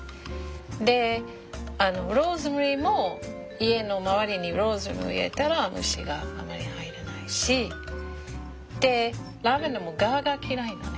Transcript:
でローズマリーも家の周りにローズマリー植えたら虫があまり入らないしでラベンダーも蛾が嫌いよね。